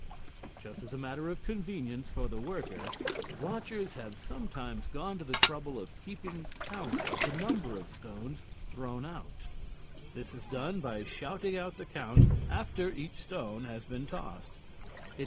Just as a matter of convenience for the worker, watchers have sometimes gone to the trouble of keeping count of the number of stones thrown out. This is done by shouting out the count after each stone has been tossed.